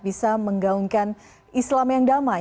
bisa menggaungkan islam yang damai